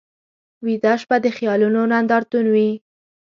ویده شپه د خیالونو نندارتون وي